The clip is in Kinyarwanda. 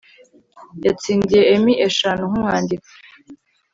yatsindiye Emmy eshanu nkumwanditsi